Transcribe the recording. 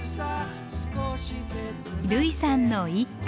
類さんの一句。